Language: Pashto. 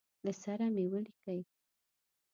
له سره مي ولیکی.